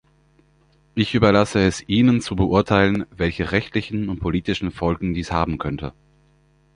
Ich überlasse es Ihnen zu beurteilen, welche rechtlichen und politischen Folgen dies haben könnte.